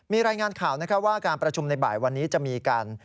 มีรายงานข่าวนะครับว่าการประชุมในบ่ายวันนี้จะมีการ